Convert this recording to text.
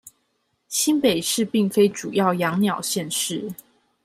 新北市並非主要養鳥縣市